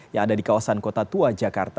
yang ada di kawasan kota tua jakarta